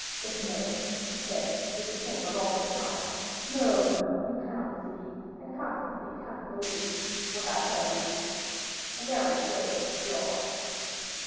But no," he said, with the same unaltered smile, "no, no, you cannot see, and consequently cannot believe what I tell you." And Aramis rose to withdraw.